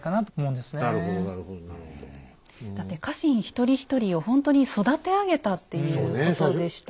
だって家臣一人一人をほんとに育て上げたっていうことでしたもんね。